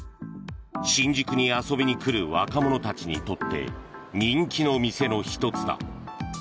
新宿に遊びに来る若者たちにとって人気の店の１つだ。